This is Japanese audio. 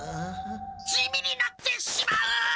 地味になってしまう！